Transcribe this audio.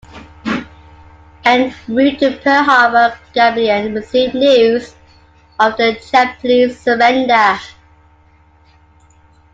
En route to Pearl Harbor, "Gabilan" received news of the Japanese surrender.